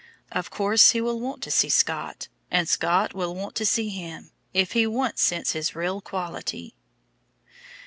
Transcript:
Of course he will want to see Scott, and Scott will want to see him, if he once scents his real quality.